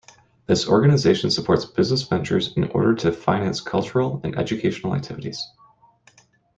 This organization supports business ventures in order to finance cultural and educational activities.